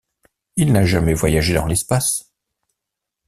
Il n'a jamais voyagé dans l'espace.